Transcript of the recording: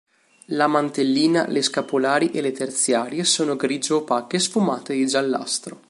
La mantellina, le scapolari e le terziarie sono grigio opache sfumate di giallastro.